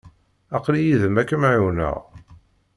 Aql-i yid-m ad kem-ɛiwneɣ.